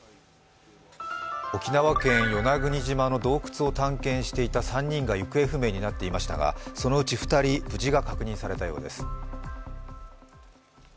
沖縄県与那国島の洞窟を探検していた３人が行方不明になっていましたがそのうち２人、無事が確認されたようです。